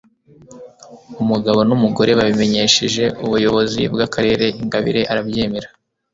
umugabo n'umugore babimenyesheje ubuyobozi bw'akarere ingabire arabyemera